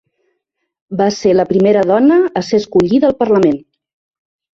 Va ser la primera dona a ser escollida al parlament.